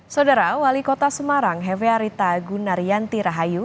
saudara wali kota semarang hefearita gunaryanti rahayu